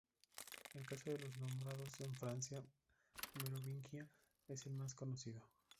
El caso de los normandos en Francia merovingia es el más conocido.